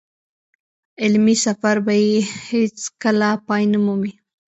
علمي سفر به يې هېڅ کله پای نه مومي.